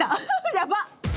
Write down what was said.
やばっ！